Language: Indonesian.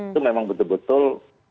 itu memang betul betul